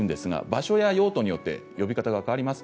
場所や用途によって呼び方が変わります。